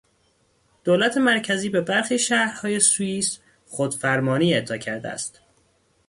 دولت مرکزی به برخی شهرهای سوئیس خودفرمانی اعطا کرده است.